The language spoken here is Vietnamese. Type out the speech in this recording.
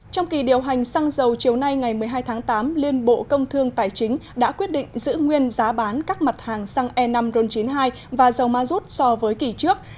trong kỳ điều hành xăng dầu chiều nay ngày một mươi hai tháng tám liên bộ công thương tài chính đã quyết định giữ nguyên giá bán các mặt hàng xăng e năm ron chín mươi hai và dầu ma rút so với kỳ trước